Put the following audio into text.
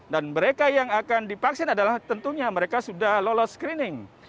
dan mereka yang akan dipaksin adalah tentunya mereka sudah lolos screening